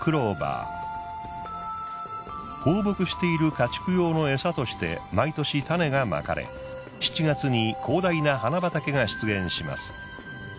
放牧している家畜用のエサとして毎年種が蒔かれ７月に広大な花畑が出現します。